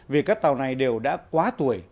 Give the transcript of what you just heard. vì các tàu này đều đã quá tuổi